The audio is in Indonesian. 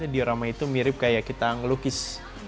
diorama itu mirip kayak kita ngelukis